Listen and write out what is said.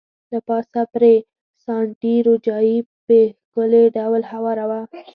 له پاسه پرې ساټني روجايي په ښکلي ډول هواره وه.